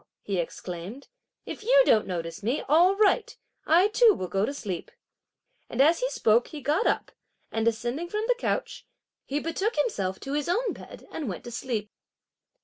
he exclaimed, "if you don't notice me, all right, I too will go to sleep," and as he spoke he got up, and, descending from the couch, he betook himself to his own bed and went to sleep.